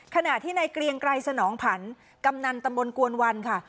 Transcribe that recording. ขณะที่ในเกรียงไกรสนองผันกำนันตำบลกวนวันค่ะ